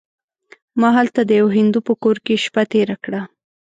ما هلته د یوه هندو په کور کې شپه تېره کړه.